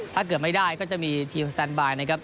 ถ้าเกิดไม่ได้ก็จะมีทีมสแตนบายนะครับ